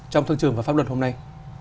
trong thương trường và pháp luật hôm nay